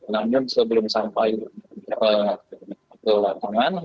namun sebelum sampai ke lapangan